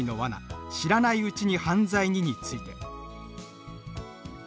知らないうちに犯罪に！？」について。